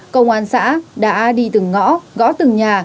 công an xã đã đi từng ngõ gõ từng nhà